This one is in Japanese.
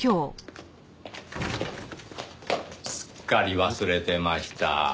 すっかり忘れてました。